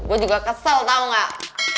gue juga kesel tau gak